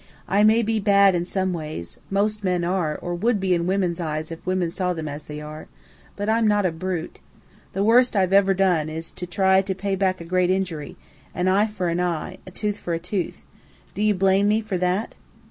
I may be bad in some ways most men are, or would be in women's eyes if women saw them as they are; but I'm not a brute. The worst I've ever done is to try to pay back a great injury, an eye for an eye, a tooth for a tooth. Do you blame me for that?"